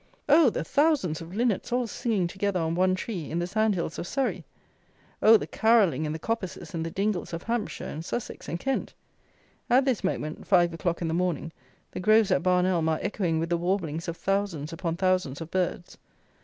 Oh! the thousands of linnets all singing together on one tree, in the sand hills of Surrey! Oh! the carolling in the coppices and the dingles of Hampshire and Sussex and Kent! At this moment (5 o'clock in the morning) the groves at Barn Elm are echoing with the warblings of thousands upon thousands of birds.